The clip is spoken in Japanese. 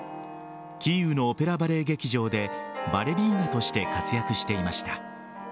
キーウのオペラバレエ劇場でバレリーナとして活躍していました。